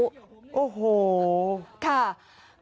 ประสงค์จะออกนามแต่ประสงค์จะออกเงินไม่รู้